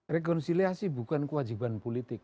rekonsiliasi bukan kewajiban politik